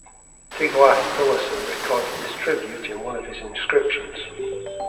Tiglath-Pileser records this tribute in one of his inscriptions.